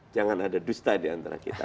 jangan ada dusta diantara kita